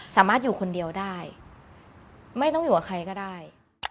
สามารถอยู่คนเดียวได้ไม่ต้องอยู่กับใครก็ได้